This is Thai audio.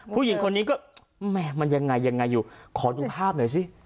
ผู้หญิงคนนี้ก็แหม่มันยังไงยังไงอยู่ขอดูภาพหน่อยสิ